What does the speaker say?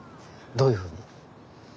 どういうふうに？